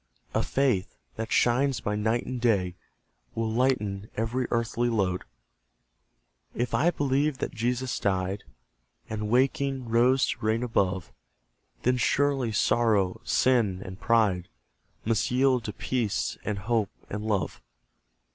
A faith, that shines by night and day, Will lighten every earthly load. If I believe that Jesus died, And waking, rose to reign above; Then surely Sorrow, Sin, and Pride, Must yield to Peace, and Hope, and Love.